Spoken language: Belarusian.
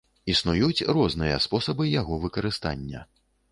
Існуюць розныя спосабы яго выкарыстання.